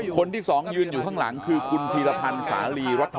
คนที่สองยืนอยู่ข้างหลังคือคุณพีรพันธ์สาลีรัฐ